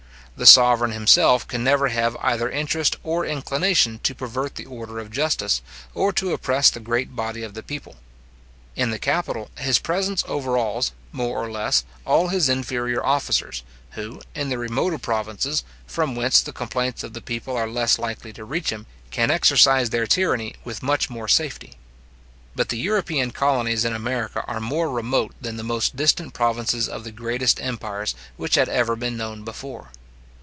The sovereign himself can never have either interest or inclination to pervert the order of justice, or to oppress the great body of the people. In the capital, his presence overawes, more or less, all his inferior officers, who, in the remoter provinces, from whence the complaints of the people are less likely to reach him, can exercise their tyranny with much more safety. But the European colonies in America are more remote than the most distant provinces of the greatest empires which had ever been known before.